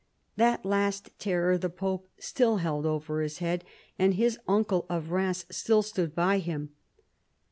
That last terror the pope still held over his head ; and his uncle of Eheims still stood by him.